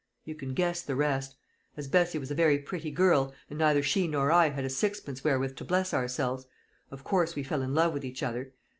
You can guess the rest. As Bessie was a very pretty girl, and neither she nor I had a sixpence wherewith to bless ourselves, of course we fell in love with each other.